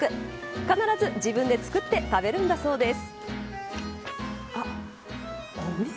必ず自分で作って食べるんだそうです。